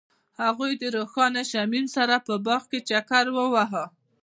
هغوی د روښانه شمیم سره په باغ کې چکر وواهه.